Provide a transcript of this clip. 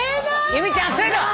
由美ちゃんそれだわ！